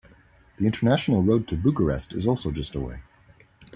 The international road to Bucharest is also just away.